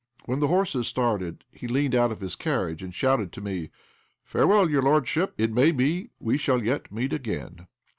When the horses started, he leaned out of his carriage and shouted to me "Farewell, your lordship; it may be we shall yet meet again!"